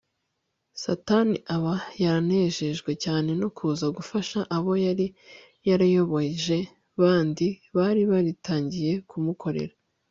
Satani aba yaranejejwe cyane no kuza gufasha abo yari yarayobeje kandi bari baritangiye kumukorera